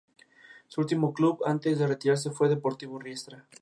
El último corregidor fue Juan Vázquez de Coronado y Peláez, bisnieto del conquistador.